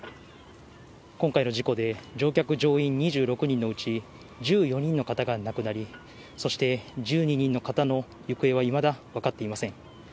今回の事故で乗客・乗員２６人のうち、１４人の方が亡くなり、そして、１２人の方の行方はいまだ分かっていません。